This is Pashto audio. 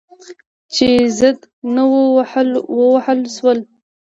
چې زده نه وو، ووهل شول.